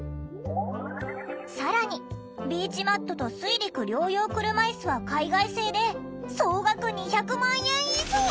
更にビーチマットと水陸両用車いすは海外製で総額２００万円以上！